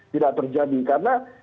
tidak terjadi karena